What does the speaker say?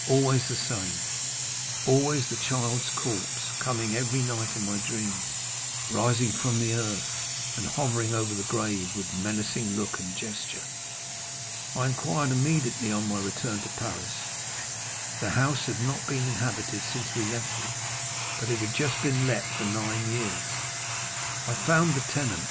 Always the same—always the child's corpse, coming every night in my dreams, rising from the earth, and hovering over the grave with menacing look and gesture. I inquired immediately on my return to Paris; the house had not been inhabited since we left it, but it had just been let for nine years. I found the tenant.